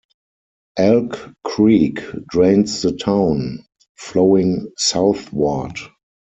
Elk Creek drains the town, flowing southward.